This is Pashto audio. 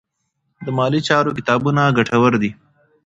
د مالي چارو کتابونه ګټور دي.